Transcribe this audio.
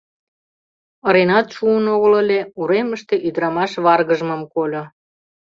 Ыренат шуын огыл ыле — уремыште ӱдырамаш варгыжмым кольо.